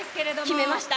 決めました！